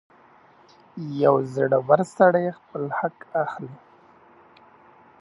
• یو زړور سړی خپل حق اخلي.